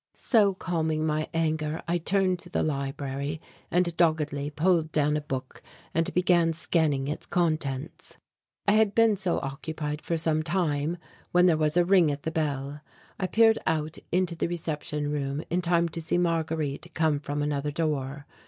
So calming my anger, I turned to the library and doggedly pulled down a book and began scanning its contents. I had been so occupied for some time, when there was a ring at the bell. I peered out into the reception room in time to see Marguerite come from another door.